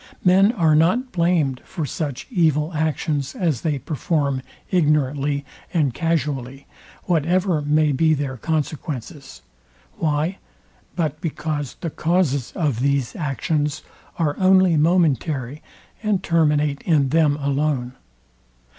Men are not blamed for such evil actions as they perform ignorantly and casually, whatever may be their consequences. Why? but because the causes of these actions are only momentary, and terminate in them alone.